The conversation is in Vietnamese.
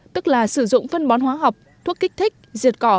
tức là sử dụng phân bón hóa học thuốc kích thích diệt cỏ